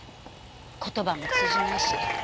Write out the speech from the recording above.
言葉も通じないし。